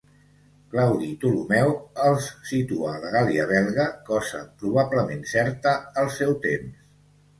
Claudi Ptolemeu els situa a la Gàl·lia Belga, cosa probablement certa al seu temps.